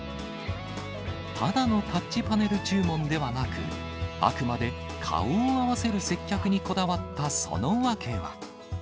ただのタッチパネル注文ではなく、あくまで顔を合わせる接客にこだわったその訳は。